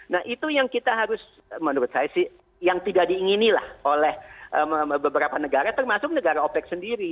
nah itu yang kita harus menurut saya sih yang tidak diingini lah oleh beberapa negara termasuk negara opec sendiri